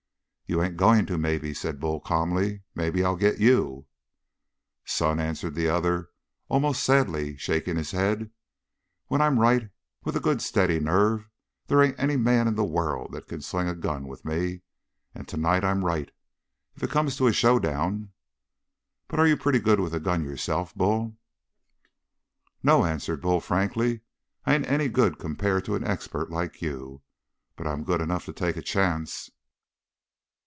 "You ain't going to, maybe," said Bull calmly. "Maybe I'll get to you." "Son," answered the other almost sadly, shaking his head, "when I'm right, with a good, steady nerve, they ain't any man in the world that can sling a gun with me. And tonight I'm right. If it comes to a showdown but are you pretty good with a gun yourself, Bull?" "No," answered Bull frankly. "I ain't any good compared to an expert like you. But I'm good enough to take a chance."